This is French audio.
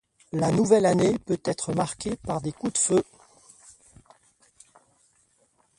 La nouvelle année peut être marquée par des coups de feu.